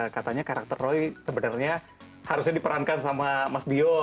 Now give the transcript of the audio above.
katanya karakter roy sebenarnya harusnya diperankan sama mas dio